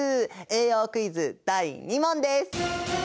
栄養クイズ第２問です！